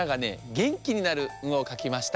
げんきになる「ん」をかきました。